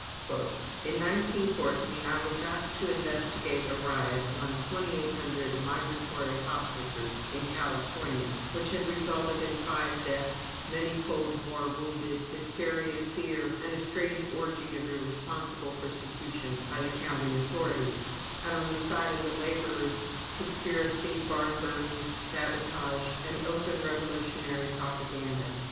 "In 1914 I was asked to investigate a riot among 2800 migratory hop pickers in California which had resulted in five deaths, many fold more wounded, hysteria, fear, and a strange orgy of irresponsible persecution by the county authorities and, on the side of the laborers, conspiracy, barn burnings, sabotage, and open revolutionary propaganda.